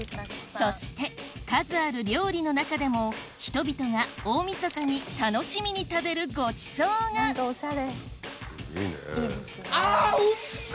そして数ある料理の中でも人々が大晦日に楽しみに食べるごちそうがあぁ！